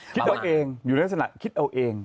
คิดเอาเองอยู่ในลักษณะคิดเอาเอง